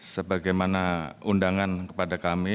sebagaimana undangan kepada kami